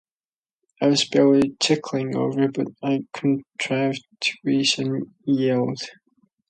I was barely ticking over, but I contrived to raise an eyelid.